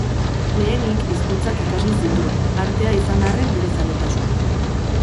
Lehenik hizkuntzak ikasi zituen, artea izan arren bere zaletasuna.